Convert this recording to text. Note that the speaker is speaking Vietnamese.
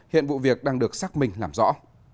hiện vụ việc đang được xác minh làm rõ